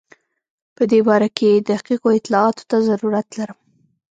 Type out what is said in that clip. په دې باره کې دقیقو اطلاعاتو ته ضرورت لرم.